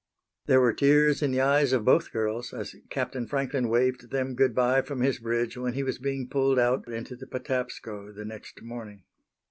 There were tears in the eyes of both girls as Captain Franklin waved them goodbye from his bridge when he was being pulled out into the Patapsco the next morning.